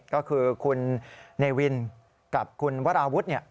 ก็คือคุณเนวินกับคุณวราวุฒิศิลปะอาคา